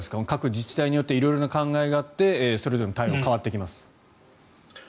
各自治体によって色々な考えがあってそれぞれの対応が変わってきます。